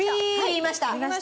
言いました。